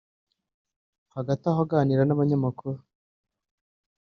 Hagati aho aganira n’abanyamakuru